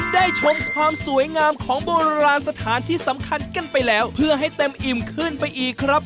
ชมความสวยงามของโบราณสถานที่สำคัญกันไปแล้วเพื่อให้เต็มอิ่มขึ้นไปอีกครับ